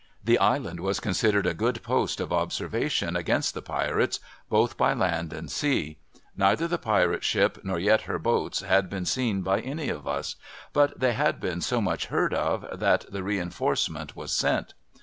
The Island was considered a good post of observa tion against the pirates, both by land and sea ; neither the pirate ship nor yet her boats had been seen by any of us, but they had been so much heard of, that the reinforcement was sent.